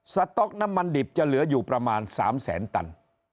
สต๊อกน้ำมันดิบจะเหลืออยู่ประมาณ๓แสนตัน